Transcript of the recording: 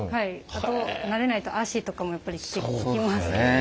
あと慣れないと足とかもやっぱりきます。